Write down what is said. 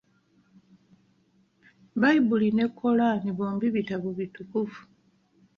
Bbayibuli ne Kolaani bombi bitabo bitukuvu.